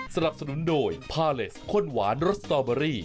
สนับสนุนโดยพาเลสข้นหวานรสสตอเบอรี่